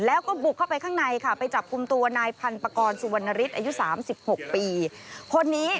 แล้วก็บุกเข้าไปข้างในค่ะไปจับกลุ่มตัวนายพันปากรสุวรรณฤทธิ์อายุ๓๖ปีคนนี้